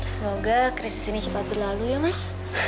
semoga krisis ini cepat berlalu ya mas